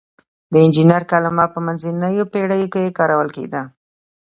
د انجینر کلمه په منځنیو پیړیو کې کارول کیده.